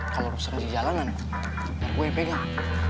kalau rusak di jalanan gue yang pegang